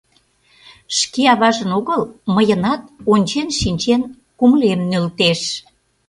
Шке аважын огыл, мыйынат, ончен шинчен, кумылем нӧлтеш.